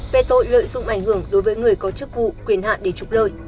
về tội lợi dụng ảnh hưởng đối với người có chức vụ quyền hạn để trục lợi